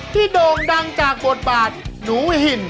โด่งดังจากบทบาทหนูหิน